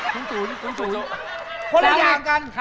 หัวหน้ายางกัน